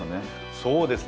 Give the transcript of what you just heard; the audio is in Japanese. そうですね